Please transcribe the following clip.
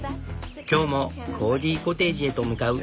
今日もコーギコテージへと向かう。